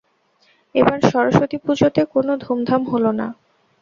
এবার সরস্বতী পুজোতে কোনো ধুমধাম হল না।